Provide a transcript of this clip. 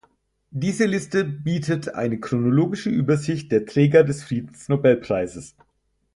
Diese Liste bietet eine chronologische Übersicht der Träger des Friedensnobelpreises.